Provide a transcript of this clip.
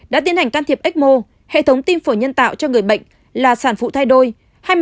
đã tiến hành can thiệp ecmo hệ thống tiêm phổ nhân tạo cho người bệnh là sản phụ thai đôi